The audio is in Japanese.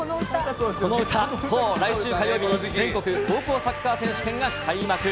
この歌、そう、来週火曜日に全国高校サッカー選手権が開幕。